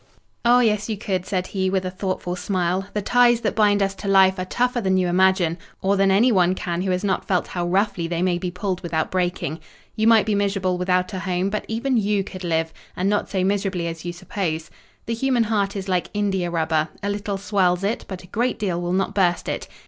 "Oh, yes, you could," said he, with a thoughtful smile. "The ties that bind us to life are tougher than you imagine, or than anyone can who has not felt how roughly they may be pulled without breaking. You might be miserable without a home, but even you could live; and not so miserably as you suppose. The human heart is like india rubber; a little swells it, but a great deal will not burst it.